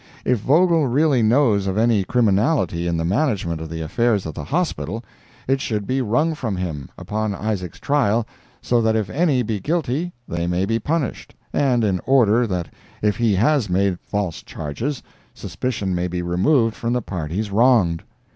If Vogel really knows of any criminality in the management of the affairs of the Hospital, it should be wrung from him, upon Isaacs' trial, so that if any be guilty, they may be punished, and in order that if he has made false charges, suspicion may be removed from the parties wronged.